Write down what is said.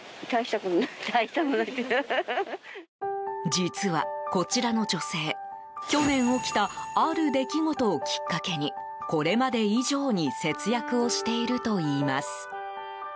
実はこちらの女性去年起きたある出来事をきっかけにこれまで以上に節約をしているといいます。